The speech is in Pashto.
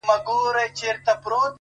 ستا وه ديدن ته هواداره يمه،